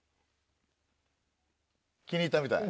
気に入ったみたい。